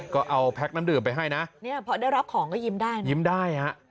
ก็เอาแพ็คน้ำดื่มไปให้นะเนี่ยพอได้รับของก็ยิ้มได้นะยิ้มได้ฮะ